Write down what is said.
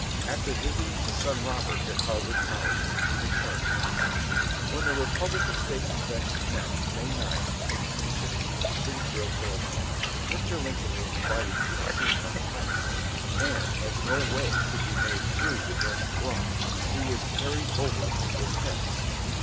After visiting his son Robert at Harvard College, he returned home. When the Republican State Convention met, May 9, 1860, at Springfield, Ill., Mr. Lincoln was invited to a seat on the platform, and as no way could be made through the dense throng, he was carried over the people's heads.